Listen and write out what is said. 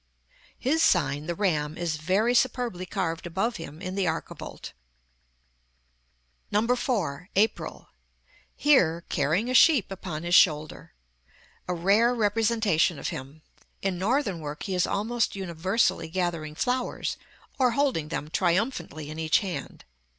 His sign, the Ram, is very superbly carved above him in the archivolt. 4. APRIL. Here, carrying a sheep upon his shoulder. A rare representation of him. In Northern work he is almost universally gathering flowers, or holding them triumphantly in each hand.